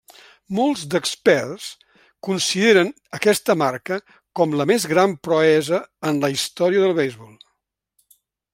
Molts d'experts consideren aquesta marca com la més gran proesa en la història del beisbol.